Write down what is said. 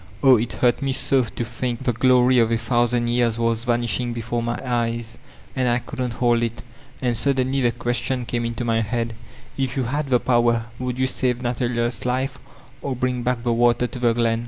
Oh, it hurt me so to think the glory of a thousand years was vanishing before my eyes and I couldn't hold it And suddenly the question came into my head: 'If you had the power would you save Nathaniers life or bring back the water to the glen?